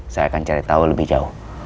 saya akan cari tahu lebih jauh